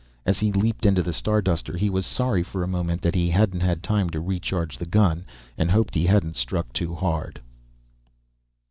As he leaped into the Starduster he was sorry for a moment that he hadn't had time to recharge the gun, and hoped he hadn't struck too hard.